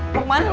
eh mau kemana lu